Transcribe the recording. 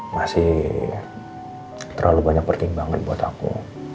masih terlalu banyak pertimbangan buat aku